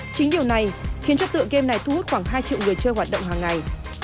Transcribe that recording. chính điều này khiến cho tựa game này thu hút khoảng hai triệu người chơi hoạt động hàng ngày